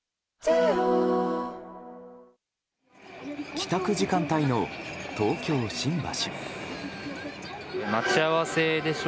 帰宅時間帯の東京・新橋。